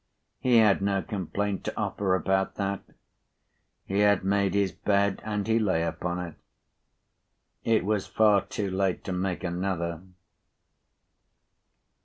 He had no complaint to offer about that. He had made his bed, and he lay upon it. It was far too late to make another.